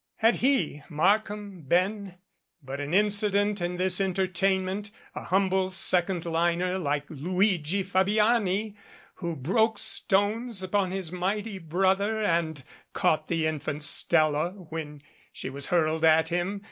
Had he, Markham, been but an incident in this entertainment, an humble sec ond liner like Luigi Fabiani, who broke stones upon his mighty brother and caught the infant Stella when she was hurled at him?